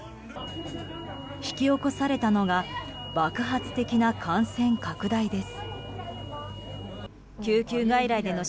引き起こされたのが爆発的な感染拡大です。